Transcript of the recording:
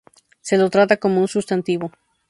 Se lo trata como un sustantivo.